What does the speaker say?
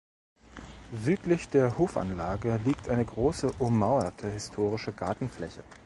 Südlich der Hofanlage liegt eine große ummauerte historische Gartenfläche.